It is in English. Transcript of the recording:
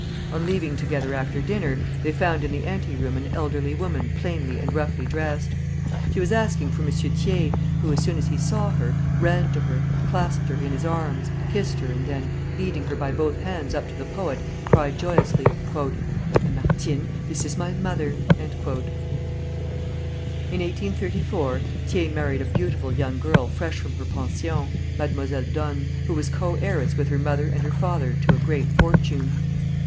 On leaving together after dinner, they found in the ante room an elderly woman plainly and roughly dressed. She was asking for M. Thiers, who, as soon as he saw her, ran to her, clasped her in his arms, kissed her, and then, leading her by both hands up to the poet, cried joyously: "Lamartine, this is my mother!" In 1834 Thiers married a beautiful young girl fresh from her pension, Mademoiselle Dosne, who was co heiress with her mother and her father to a great fortune.